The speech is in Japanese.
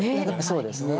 そうですね。